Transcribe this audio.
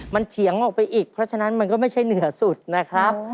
มันเฉียงออกไปอีกเพราะฉะนั้นมันก็ไม่ใช่เหนือสุดนะครับ